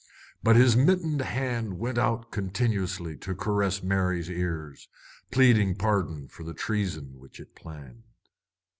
But his mittened hand went out continuously to caress Mary's ears, pleading pardon for the treason which it planned.